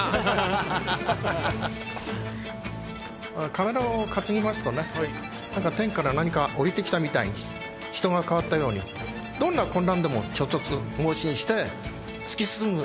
カメラを担ぎますとね天から何か降りて来たみたいに人が変わったようにどんな困難でも猪突猛進して突き進む。